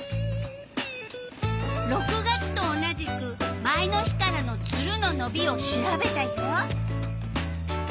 ６月と同じく前の日からのツルののびを調べたよ。